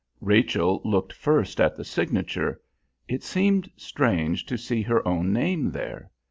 Rachel looked first at the signature. It seemed strange to see her own name there.